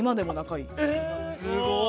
えすごい！